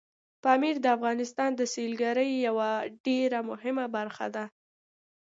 پامیر د افغانستان د سیلګرۍ یوه ډېره مهمه برخه ده.